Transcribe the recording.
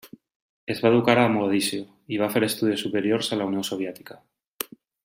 Es va educar a Mogadiscio i va fer estudis superiors a la Unió Soviètica.